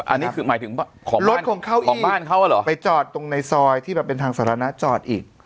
อันนี้คือหมายถึงรถของบ้านเขาเหรอไปจอดตรงในซอยที่แบบเป็นทางสาธารณะจอดอีก